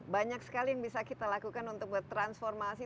banyak sekali yang bisa kita lakukan untuk bertransformasi